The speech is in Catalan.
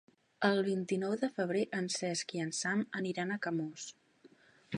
El vint-i-nou de febrer en Cesc i en Sam aniran a Camós.